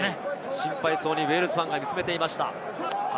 心配そうにウェールズファンが見守っていました。